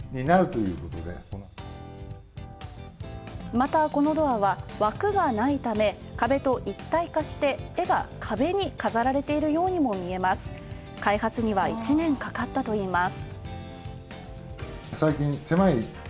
また、このドアは枠がないため、壁と一体化して絵が壁に飾られているようにも見えます、開発には１年かかったといいます。